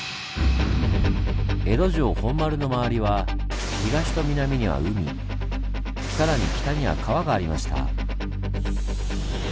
江戸城本丸の周りは東と南には海更に北には川がありました。